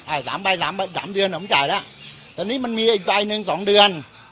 ใช่สามใบสามใบสามเดือนผมจ่ายแล้วตอนนี้มันมีอีกใบหนึ่งสองเดือน